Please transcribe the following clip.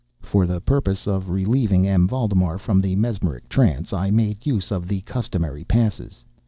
For the purpose of relieving M. Valdemar from the mesmeric trance, I made use of the customary passes.